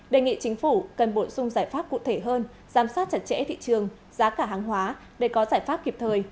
đề nghị chính phủ cần bổ sung giải pháp cụ thể hơn giám sát chặt chẽ thị trường giá cả hàng hóa để có giải pháp kịp thời